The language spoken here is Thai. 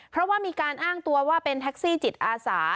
เพราะว่ามีการอ้างตัวว่าเป็นแท็กซี่จิตอาสา